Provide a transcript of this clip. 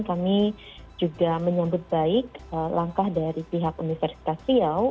kami juga menyambut baik langkah dari pihak universitas riau